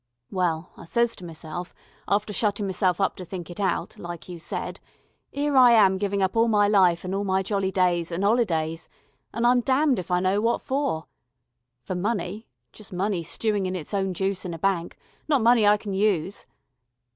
Well, I says to meself, after shutting meself up to think it out, like you said, 'ere am I giving up all my life an' all my jolly days an' 'olidays, an' I'm damned if I know what for. For money, just money stewin' in its own juice in a bank, not money I can use.